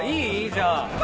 じゃあ。